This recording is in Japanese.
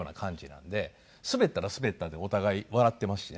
なんでスベったらスベったでお互い笑ってますしね。